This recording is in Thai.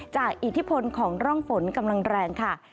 อิทธิพลของร่องฝนกำลังแรงค่ะ